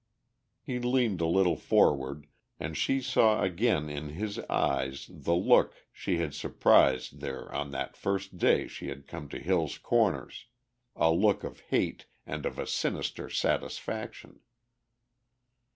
He leaned a little forward, and she saw again in his eyes the look she had surprised there on that first day she had come to Hill's Corners, a look of hate and of a sinister satisfaction.